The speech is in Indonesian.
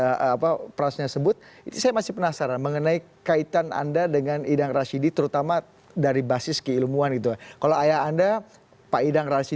tetapi kedudukan dia sama dengan pertunjukan about diato kalau aku bisa